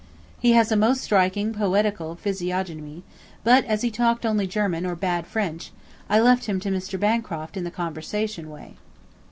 He has a most striking poetical physiognomy, but as he talked only German or bad French, I left him to Mr. Bancroft in the conversation way.